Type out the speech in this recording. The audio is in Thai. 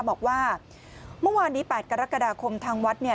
บอกว่าเมื่อวานนี้๘กรกฎาคมทางวัดเนี่ย